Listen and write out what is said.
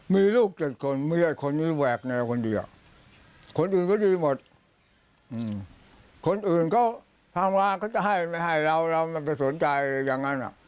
มีลูกเจ็ดคนเมียคนนี้แหวกแนวคนเดียวคนอื่นก็ดีหมดคนอื่นก็ทำร้านก็จะให้ไม่ให้เราเรามันก็สนใจอย่างนั้นอ่ะ